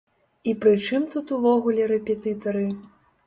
І пры чым тут увогуле рэпетытары?